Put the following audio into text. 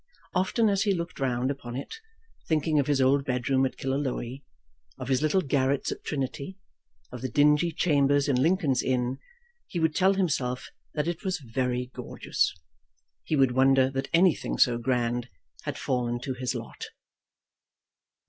Often as he looked round upon it, thinking of his old bedroom at Killaloe, of his little garrets at Trinity, of the dingy chambers in Lincoln's Inn, he would tell himself that it was very gorgeous. He would wonder that anything so grand had fallen to his lot.